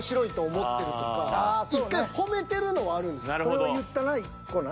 それは言ったな１個な。